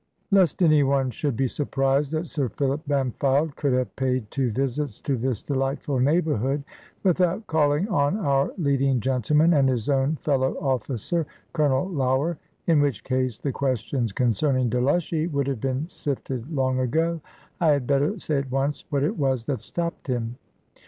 Lest any one should be surprised that Sir Philip Bampfylde could have paid two visits to this delightful neighbourhood, without calling on our leading gentleman, and his own fellow officer, Colonel Lougher in which case the questions concerning Delushy would have been sifted long ago I had better say at once what it was that stopped him.